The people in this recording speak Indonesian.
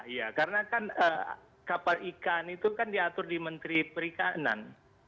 iya karena kan kapal ikan itu kan diatur di menteri perikanan